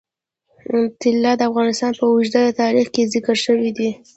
طلا د افغانستان په اوږده تاریخ کې ذکر شوی دی.